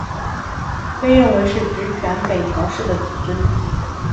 被认为是执权北条氏的子孙。